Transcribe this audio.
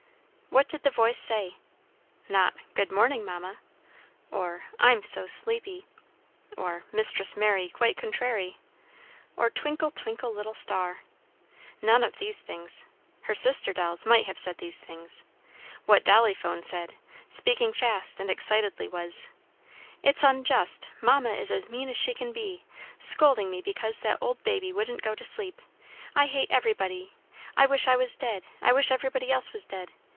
What did the voice say? Not "Good morning, Mamma," or "I'm so sleepy!" or "Mistress Mary quite contrary," or "Twinkle, twinkle, little star," none of these things. Her sister dolls might have said these things; what Dolly Phone said, speaking fast and excitedly, was, "It's unjust! Mamma is as mean as she can be! Scolding me because that old baby wouldn't go to sleep! I hate everybody! I wish I was dead! I wish everybody else was dead!"